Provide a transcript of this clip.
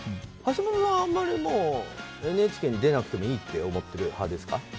橋下さんはあまりＮＨＫにでなくてもいいって思ってる派ですか？